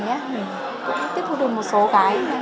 mình cũng tiếp tục được một số cái